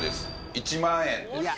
１万円です